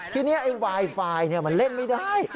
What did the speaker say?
ทีนี้ไอ้ไวไฟมันเล่นไม่ได้